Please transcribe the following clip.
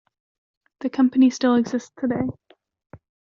The company still exists today.